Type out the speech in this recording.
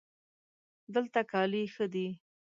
دلته کالي ښه دي